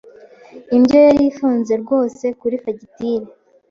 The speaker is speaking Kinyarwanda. Indyo yari ifunze rwose kuri fagitire.